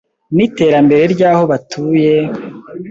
n’iterambere ry’aho batuye;